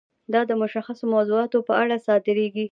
دا د مشخصو موضوعاتو په اړه صادریږي.